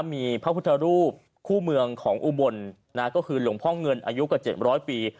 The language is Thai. มีพระพุทธรูปคู่เมืองของอุบลนะฮะก็คือหลวงพ่อเงินอายุกับเจ็ดร้อยปี